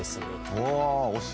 うわ、お城。